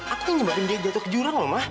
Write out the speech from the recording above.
aku ingin nyebarin dia jatuh ke jurang